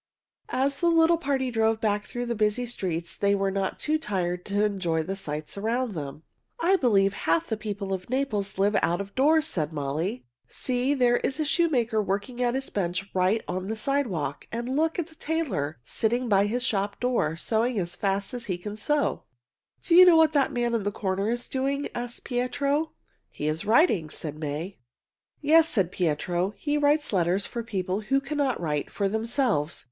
As the little party drove back through the busy streets they were not too tired to enjoy the sights around them. "I believe half the people of Naples live out of doors," said Molly. "See, there is a shoemaker working at his bench right on the sidewalk. And look at that tailor, sitting by his shop door, sewing as fast as he can sew." "Do you know what that man on the corner is doing?" asked Pietro. "He is writing," said May. "Yes," said Pietro. "He writes letters for people who cannot write for themselves.